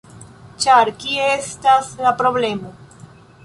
ĉar kie estas la problemo.